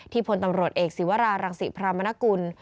ที่ผนตำรวจเอกศีวรารังศีพระมาณกุล